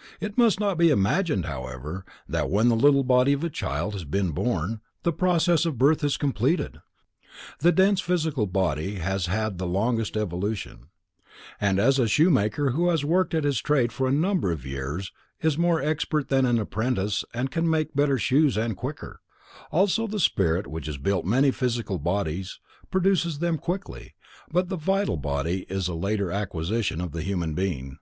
_ It must not be imagined, however, that when the little body of a child has been born, the process of birth is completed. The dense physical body has had the longest evolution, and as a shoemaker who has worked at his trade for a number of years is more expert than an apprentice and can make better shoes and quicker, so also the spirit which has built many physical bodies produces them quickly, but the vital body is a later acquisition of the human being.